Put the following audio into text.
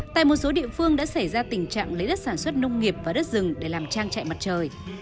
tại một số địa phương đã xảy ra tình trạng lấy đất sản xuất nông nghiệp và đất rừng để làm trang trại mặt trời